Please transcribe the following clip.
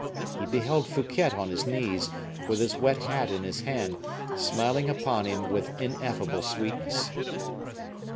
He beheld Fouquet on his knees, with his wet hat in his hand, smiling upon him with ineffable sweetness.